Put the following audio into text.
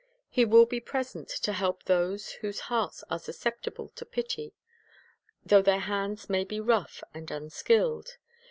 He will be present to help those whose hearts are susceptible to pity, though their hands may be rough and unskilled.